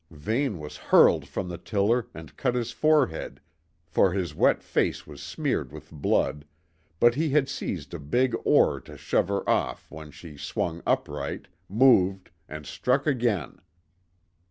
Vane was hurled from the tiller and cut his forehead, for his wet face was smeared with blood, but he had seized a big oar to shove her off when she swung upright, moved, and struck again.